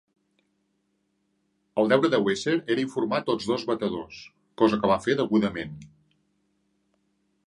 El deure de Weser era informar tots dos batedors, cosa que va fer degudament.